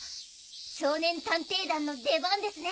少年探偵団の出番ですね！